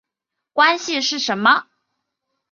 关系是什么？